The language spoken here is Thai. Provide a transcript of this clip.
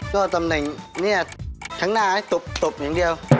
ก็ตำแหน่งเนี่ยข้างหน้าให้ตบอย่างเดียว